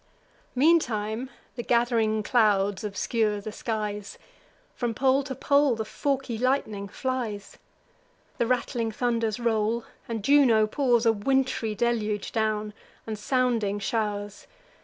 Meantime, the gath'ring clouds obscure the skies: From pole to pole the forky lightning flies; The rattling thunders roll; and Juno pours A wintry deluge down, and sounding show'rs.